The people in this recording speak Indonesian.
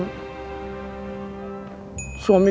bapak kamu sedang mengintip aku